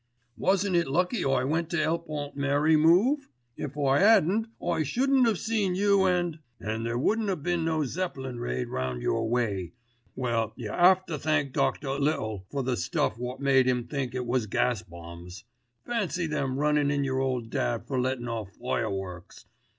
"Wasn't it lucky I went to help Aunt Mary move? If I hadn't I shouldn't have seen you and——" "And there wouldn't a been no Zeppelin raid round your way. Well you 'ave to thank Dr. Little for the stuff wot made 'em think it was gas bombs! Fancy them runnin' in your old dad for lettin' off fireworks.